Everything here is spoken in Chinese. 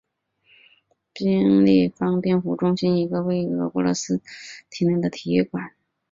冰立方冰壶中心是一个位于俄罗斯索契的室内体育馆。